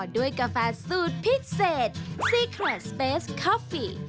ด้วยกาแฟสูตรพิเศษซีเคอร์ทสเปสคอฟฟี่